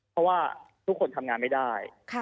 เพราะว่าทุกคนทำงานไม่ได้